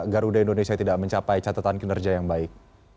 garuda indonesia tidak mencapai catatan kinerja yang baik